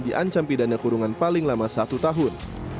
diancam pidana kurungan paling lama satu tahun